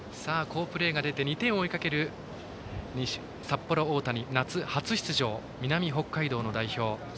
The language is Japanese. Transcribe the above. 好プレーが出て２点を追う札幌大谷夏初出場、南北海道の代表。